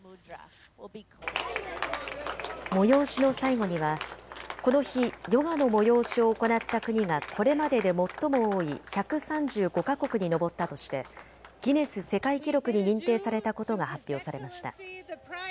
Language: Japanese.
催しの最後にはこの日、ヨガの催しを行った国がこれまでで最も多い１３５か国に上ったとしてギネス世界記録に認定されたことが発表されました。